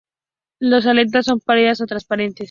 Las aletas son pálidas a transparentes.